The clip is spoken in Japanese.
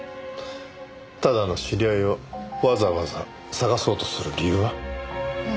ただの知り合いをわざわざ捜そうとする理由は？